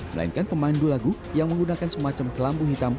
melainkan pemain du lagu yang menggunakan semacam kelambu hitam